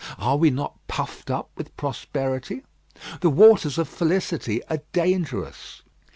Are we not puffed up with prosperity? The waters of felicity are dangerous.